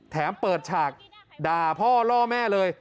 แถมเปิดฉากด่าพ่อล่อแม่เลย